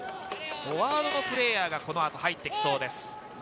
３０番の平尾、フォワードのプレーヤーをこの後、入ってきそうです。